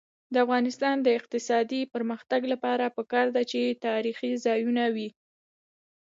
د افغانستان د اقتصادي پرمختګ لپاره پکار ده چې تاریخي ځایونه وي.